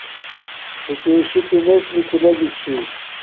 فتشی تومڎ نکھل لگی چھی